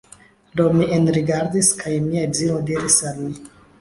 Do, mi enrigardis kaj mia edzino diris al mi